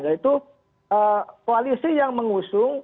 yaitu koalisi yang mengusung